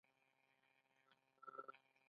د ګردیز بالاحصار ډیر لرغونی دی